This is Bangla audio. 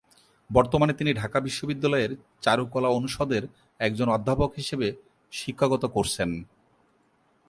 বর্তমানে তিনি ঢাকা বিশ্ববিদ্যালয়ের চারুকলা অনুষদের একজন অধ্যাপক হিসেবে শিক্ষকতা করছেন।